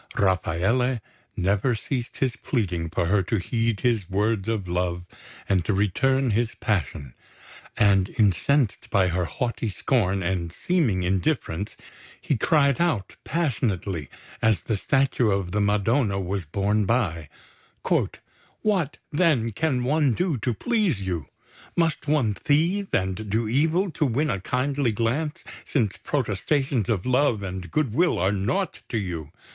Rafaele never ceased his pleading for her to heed his words of love and to return his passion; and incensed by her haughty scorn and seeming indifference, he cried out passionately as the Statue of the Madonna was borne by: "What, then, can one do to please you? Must one thieve and do evil to win a kindly glance, since protestations of love and good will are naught to you?